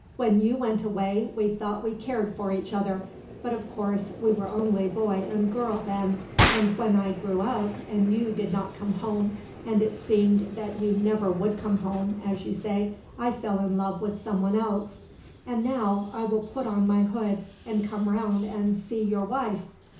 "When you went away, we thought we cared for each other; but of course we were only boy and girl then, and when I grew up and you did not come home, and it seemed that you never would come home, as you say, I fell in love with someone else. "And now I will put on my hood, and come round and see your wife.